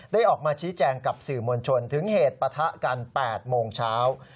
ออกมาชี้แจงกับสื่อมวลชนถึงเหตุปะทะกัน๘โมงเช้า